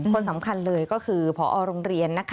คนสำคัญเลยก็คือพอโรงเรียน